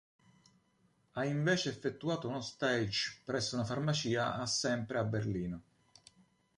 Ha invece effettuato uno stage presso una farmacia a sempre a Berlino.